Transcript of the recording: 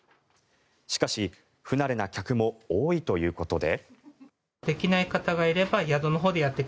しかし、不慣れな客も多いということで。